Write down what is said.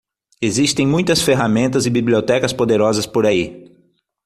Existem muitas ferramentas e bibliotecas poderosas por aí.